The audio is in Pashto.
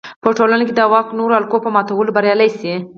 په ټولنه کې د واک نورو حلقو په ماتولو بریالی شي.